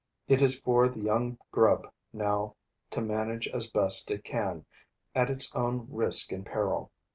It is for the young grub now to manage as best it can at its own risk and peril.